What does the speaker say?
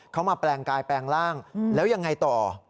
เขามาแปลงกายแปลงร่างแล้วยังไงต่อ